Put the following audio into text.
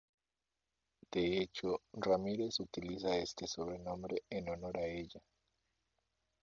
De hecho, Ramírez utiliza este sobrenombre en honor a ella.